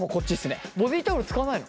ボディータオル使わないの？